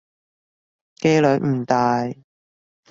機率唔大